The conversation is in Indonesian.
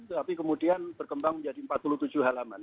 tapi kemudian berkembang menjadi empat puluh tujuh halaman